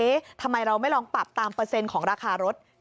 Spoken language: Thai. ทำไมเราไม่ลองปรับตามเปอร์เซ็นต์ของราคารถ